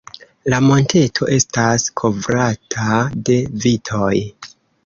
La monteto estas kovrata de vitoj.